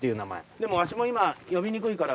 でもワシも今呼びにくいから。